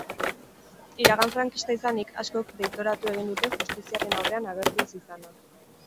Iragan frankista izanik, askok deitoratu egin dute justiziaren aurrean agertu ez izana.